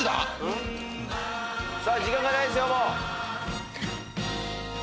時間がないですよもう。